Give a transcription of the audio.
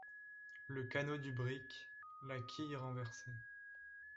Le canot du brick, la quille renversée!